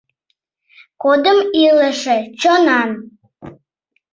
Кодым илыше, чонан.